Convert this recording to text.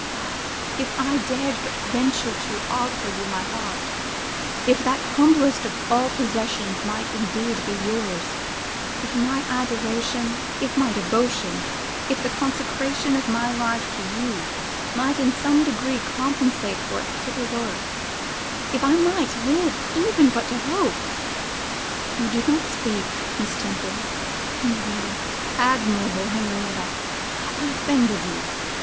Ah! if I dared but venture to offer you my heart, if that humblest of all possessions might indeed be yours, if my adoration, if my devotion, if the consecration of my life to you, might in some degree compensate for its little worth, if I might live even but to hope 'You do not speak. Miss Temple, Henrietta, admirable Henrietta, have I offended you?